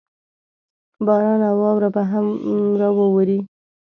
باران او واوره به هم راووري.